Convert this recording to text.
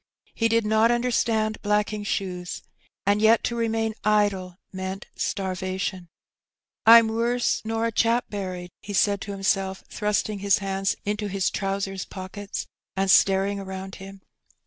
He did not understand blacking shoes^ and yet to remain idle meant starvation. '^ Pm wuss nor a chap buried/' he said to himself, thrust ing his hands into his trousers pockets and staring around him.